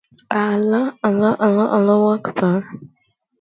He was buried in Forest Lawn Memorial Park in Hollywood Hills.